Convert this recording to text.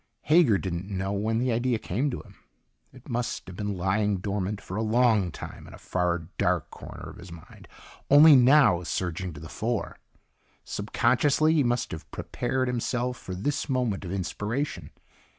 Hager didn't know when the idea came to him. It must have been lying dormant for a long time in a far, dark corner of his mind, only now surging to the fore. Subconsciously he must have prepared himself for this moment of inspiration.